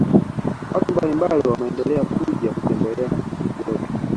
watu mbalimbali wameendela kuja kutembea nchini kwetu